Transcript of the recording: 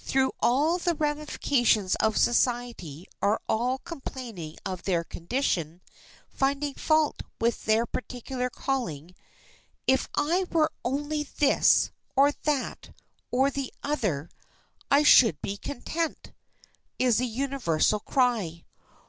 Through all the ramifications of society all are complaining of their condition, finding fault with their particular calling. "If I were only this, or that, or the other, I should be content," is the universal cry.